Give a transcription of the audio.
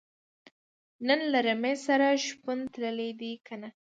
نن له رمې سره شپون تللی دی که نۀ